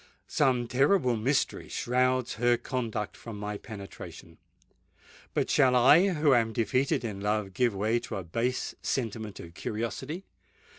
Some terrible mystery shrouds her conduct from my penetration;—but shall I, who am defeated in love, give way to a base sentiment of curiosity?